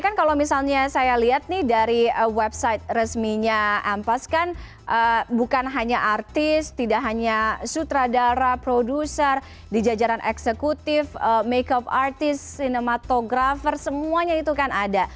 kan kalau misalnya saya lihat nih dari website resminya ampas kan bukan hanya artis tidak hanya sutradara produser di jajaran eksekutif makeup artist sinematographer semuanya itu kan ada